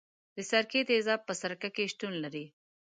د سرکې تیزاب په سرکه کې شتون لري.